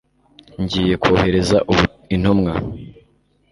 ngiye kohereza intumwa